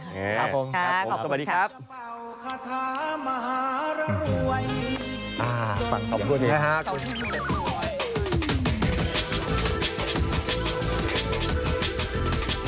นะครับขอบคุณครับสวัสดีครับนะครับ